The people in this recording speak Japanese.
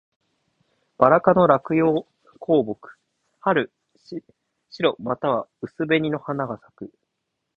ばら科の落葉高木。春、白または薄紅の花が咲く。